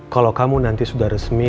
kalau kamu nanti sudah resmi